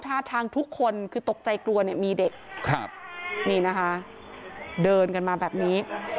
ท่าทางทุกคนคือตกใจกลัวเนี่ยมีเด็กครับนี่นะคะเดินกันมาแบบนี้